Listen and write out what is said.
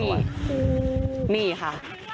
นี่ค่ะ